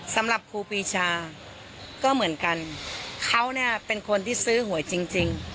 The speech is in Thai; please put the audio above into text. สำหรับครูปีชาก็เหมือนกันเขาเนี่ยเป็นคนที่ซื้อหวยจริงจริง